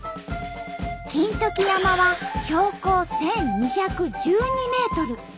金時山は標高１，２１２メートル。